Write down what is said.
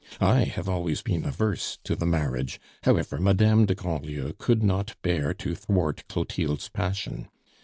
I have always been averse to the marriage; however, Madame de Grandlieu could not bear to thwart Clotilde's passion.